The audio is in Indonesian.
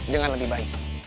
jangan lebih baik